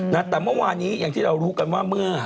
นะแต่เมื่อวานี้อย่างที่เรารู้กันว่าเมื่อ